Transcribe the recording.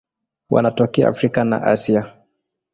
Wanatokea Afrika na Asia.